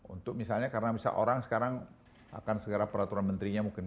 untuk misalnya karena bisa orang sekarang akan segera peraturan menteri ya mungkin